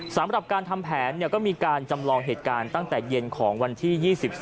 สำหรับการทำแผนก็มีการจำลองเหตุการณ์ตั้งแต่เย็นของวันที่๒๓